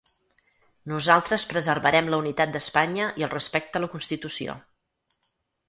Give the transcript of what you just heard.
Nosaltres preservarem la unitat d’Espanya i el respecte a la constitució.